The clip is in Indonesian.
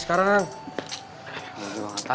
sekarang jam berapa